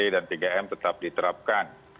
dan tiga m tetap diterapkan